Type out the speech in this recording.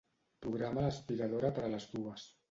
Programa l'aspiradora per a les dues.